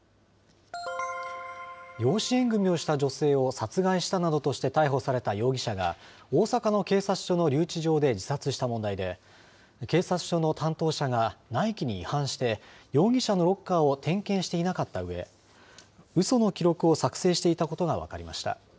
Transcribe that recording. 養子縁組みをした女性を殺害したなどとして逮捕された容疑者が、大阪の警察署の留置場で自殺した問題で、警察署の担当者が、内規に違反して、容疑者のロッカーを点検していなかったうえ、うその記録を作成していたことが分かりました。